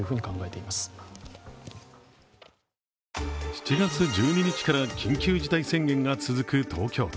７月１２日から緊急事態宣言が続く東京都。